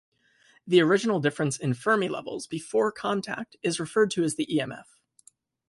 The original difference in Fermi levels, before contact, is referred to as the emf.